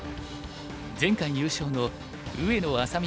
前回優勝の上野愛咲美